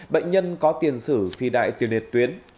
bệnh nhân có tiền sử phi đại tiền liệt tuyến